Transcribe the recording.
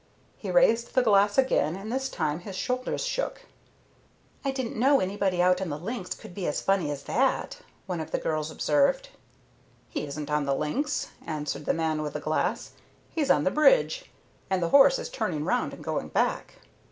He raised the glass again and this time his shoulders shook. "I didn't know anybody out on the links could be as funny as that," one of the girls observed. "He isn't on the links," answered the man with the glass, "he's on the bridge. And the horse is turning round and going back."